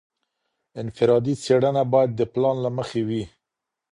انفرادي څېړنه باید د پلان له مخي وي.